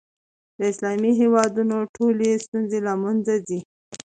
د اسلامي هېوادونو ټولې ستونزې له منځه ځي.